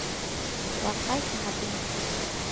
waqaychaq apin